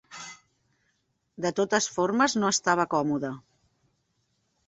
De totes formes no estava còmode.